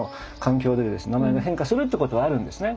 名前が変化するっていうことはあるんですね。